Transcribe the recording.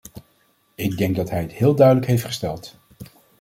Ik denk dat hij het heel duidelijk heeft gesteld!